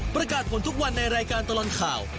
ประกาศผลทุกวันในรายการตลอดข่าว